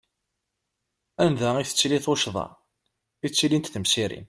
Anda i tettili tuccḍa i ttilint temsirin!